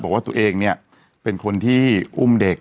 บอกว่าตัวเองเนี่ยเป็นคนที่อุ้มเด็ก